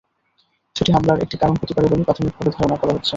সেটি হামলার একটি কারণ হতে পারে বলে প্রাথমিকভাবে ধারণা করা হচ্ছে।